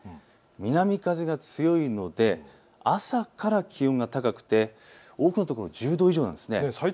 南風が強いので朝から気温が高くて多くの所１０度以上です。